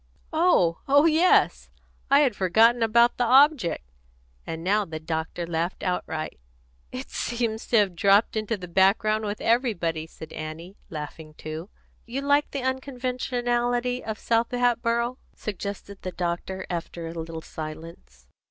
"Oh! Oh yes. I had forgot about the object," and now the doctor laughed outright. "It seems to have dropped into the background with everybody," said Annie, laughing too. "You like the unconventionality of South Hatboro'?" suggested the doctor, after a little silence.